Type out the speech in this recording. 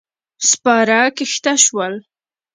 سپاره کښته شول.